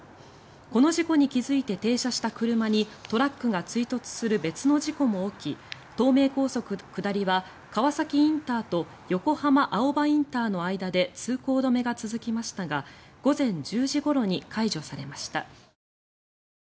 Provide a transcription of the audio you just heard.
この事故に気付いて停車した車にトラックが追突する別の事故も起き東名高速下りは川崎ＩＣと横浜青葉ＩＣの間で通行止めが続きましたが午前１０時ごろに解除されました。